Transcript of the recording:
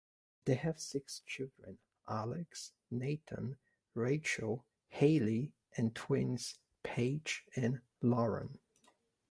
They have six children: Alex, Nathan, Rachel, Hailey, and twins Paige and Lauren.